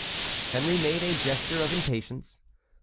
Henry made a gesture of impatience.